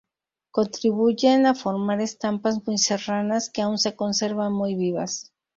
Contribuyen a formar estampas muy serranas, que aún se conservan muy vivas.